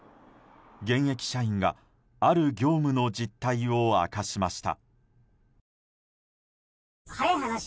現役社員がある業務の実態を明かしました。